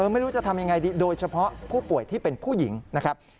ไม่รู้จะทำยังไงดีโดยเฉพาะผู้ป่วยที่เป็นผู้หญิงนะครับ